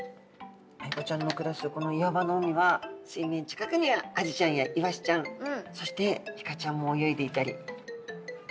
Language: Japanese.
アイゴちゃんの暮らすこの岩場の海は水面近くにはアジちゃんやイワシちゃんそしてイカちゃんも泳いでいたり。